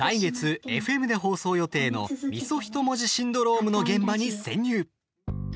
来月、ＦＭで放送予定の「みそひともじシンドローム」の現場に潜入。